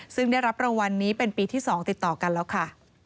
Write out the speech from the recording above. ซึ่งได้รับรางวัลนี้เป็นปีที่๒ติดต่อกันแล้วค่ะ